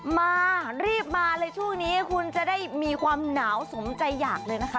มารีบมาเลยช่วงนี้คุณจะได้มีความหนาวสมใจอยากเลยนะคะ